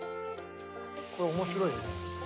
これ面白いね。